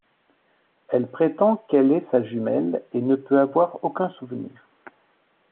Elle prétend qu'elle est sa jumelle, et ne peut avoir aucun souvenir.